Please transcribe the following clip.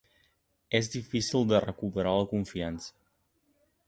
És difícil de recuperar la confiança.